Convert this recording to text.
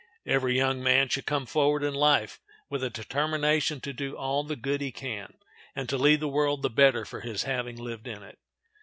Every young man should come forward in life with a determination to do all the good he can, and to leave the world the better for his having lived in it.